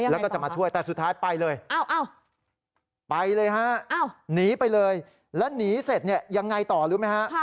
แล้วยังไงต่อครับโอ้โฮไปเลยฮะหนีไปเลยแล้วหนีเสร็จยังไงต่อรู้ไหมฮะ